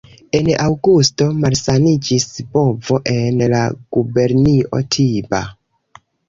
En aŭgusto malsaniĝis bovo en la gubernio Tiba.